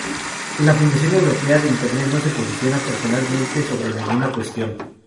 La Fundación Europea de Internet no se posiciona personalmente sobre ninguna cuestión.